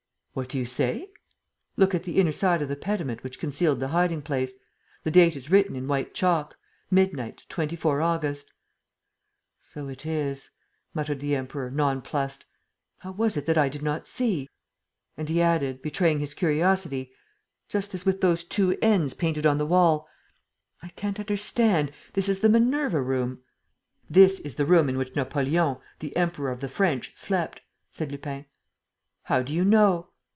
"What do you say?" "Look at the inner side of the pediment which concealed the hiding place. The date is written in white chalk: 'Midnight, 24 August.' ..." "So it is," muttered the Emperor, nonplussed. "How was it that I did not see?" And he added, betraying his curiosity, "Just as with those two 'N's' painted on the wall. ... I can't understand. This is the Minerva Room." "This is the room in which Napoleon, the Emperor of the French slept," said Lupin. "How do you know?"